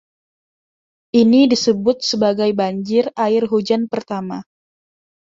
Ini disebut sebagai banjir air hujan pertama.